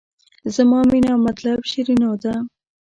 زما مینه او مطلب شیرینو ده.